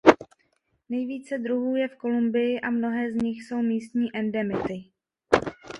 Nejvíce druhů je v Kolumbii a mnohé z nich jsou místní endemity.